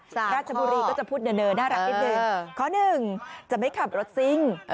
ราชบุรีก็จะพูดเนอน่ารักนิดนึงข้อหนึ่งจะไม่ขับรถซิ่ง